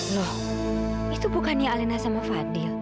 loh itu bukannya alina sama fadil